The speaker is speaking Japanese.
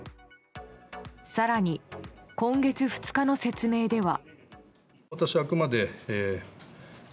更に、今月２日の説明では。